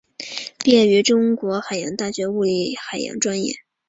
毕业于中国海洋大学物理海洋专业。